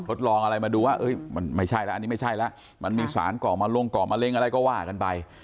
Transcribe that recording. ทดลองอะไรมาดูว่าอันนี้ไม่ใช่แล้วมันมีสารก่อมาลงก่อมาเล็งอะไรก็ว่ากันไป